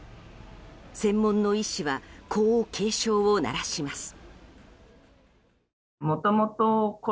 専門の医師はこう警鐘を鳴らします。